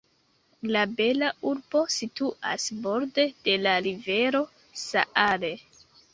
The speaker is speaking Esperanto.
La bela urbo situas borde de la rivero Saale.